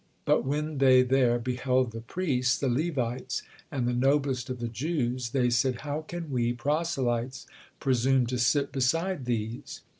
But when they there beheld the priests, the Levites, and the noblest of the Jews, they said, "How can we, proselytes, presume to sit beside these?"